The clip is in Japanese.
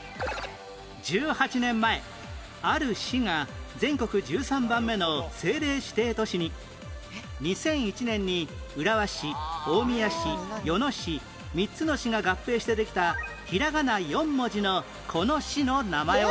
１８年前ある市が２００１年に浦和市大宮市与野市３つの市が合併してできたひらがな４文字のこの市の名前は？